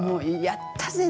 やったぜ！